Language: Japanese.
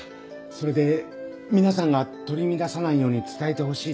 それで皆さんが取り乱さないように伝えてほしいと言われて。